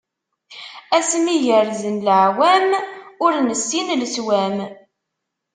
Asmi gerzen leɛwam, ur nessin leswam.